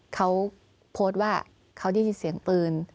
เขาโพสต์ว่าเขาได้ยินเสียงปืน